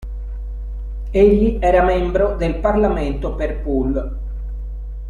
Egli era membro del parlamento per Poole.